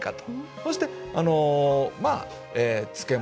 そしてまあ漬物。